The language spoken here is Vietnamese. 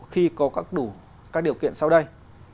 khi có đủ các điều kiện sau đây